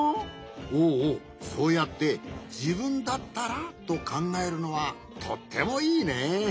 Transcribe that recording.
おおそうやって「じぶんだったら」とかんがえるのはとってもいいね。